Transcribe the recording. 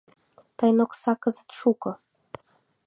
Тыйын окса кызыт шуко.